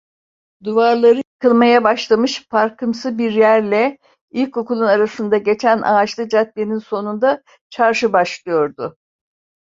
Duvarları yıkılmaya başlamış parkımsı bir yerle ilkokulun arasından geçen ağaçlı caddenin sonunda çarşı başlıyordu.